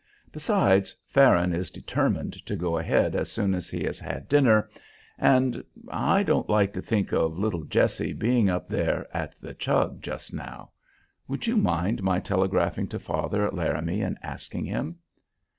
Besides, Farron is determined to go ahead as soon as he has had dinner, and I don't like to think of little Jessie being up there at the Chug just now. Would you mind my telegraphing to father at Laramie and asking him?"